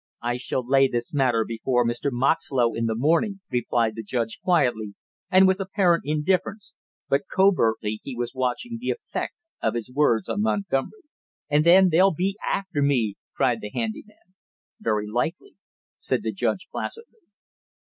"I shall lay this matter before Mr. Moxlow in the morning," replied the judge quietly and with apparent indifference, but covertly he was watching the effect of his words on Montgomery. "And then they'll be after me!" cried the handy man. "Very likely," said the judge placidly.